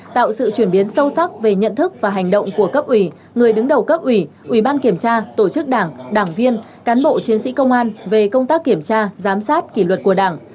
tạo sự chuyển biến sâu sắc về nhận thức và hành động của cấp ủy người đứng đầu cấp ủy ủy ban kiểm tra tổ chức đảng đảng viên cán bộ chiến sĩ công an về công tác kiểm tra giám sát kỷ luật của đảng